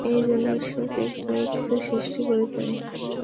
এই জন্যই ঈশ্বর টেক্স-মেক্স সৃষ্টি করেছেন।